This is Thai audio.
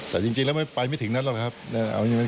แต่จริงมันไปไม่ถึงนั้นหรือว่ามัน